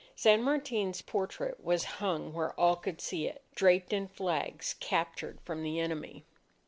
San Martin's portrait was hung where all could see it, draped in flags captured from the enemy.